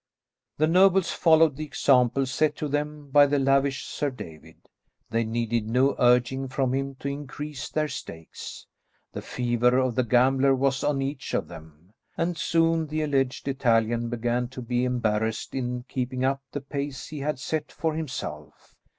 The nobles followed the example set to them by the lavish Sir David. They needed no urging from him to increase their stakes. The fever of the gambler was on each of them, and soon the alleged Italian began to be embarrassed in keeping up the pace he had set for himself.